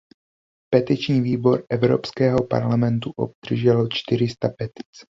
Petiční výbor Evropského parlamentu obdržel čtyřista petic.